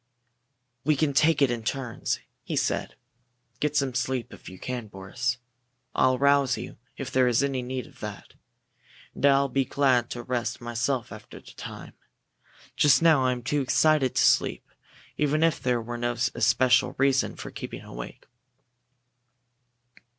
"We can take it in turns," he said. "Get some sleep, if you can, Boris. I'll rouse you if there is any need of that. And I'll be glad to rest myself, after a time. Just now I'm too excited to sleep, even if there were no especial reason for keeping awake."